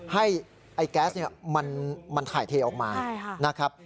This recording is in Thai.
ไอ้แก๊สเนี่ยมันถ่ายเทออกมานะครับ